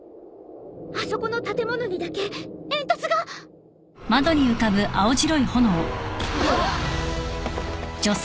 あそこの建物にだけ煙突が！あっ！？